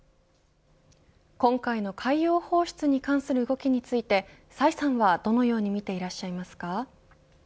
今回の海洋放出に関する動きについて崔さんは、どのように見ていらっしゃいますか。